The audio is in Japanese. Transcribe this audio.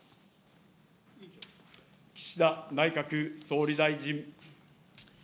岸田内閣総理大臣。